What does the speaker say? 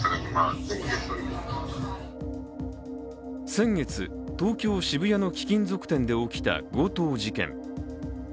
先月、東京・渋谷の貴金属店で起きた強盗事件。